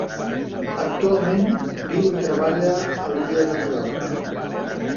Actualment viu i treballa a l'illa de Mallorca.